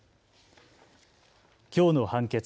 きょうの判決。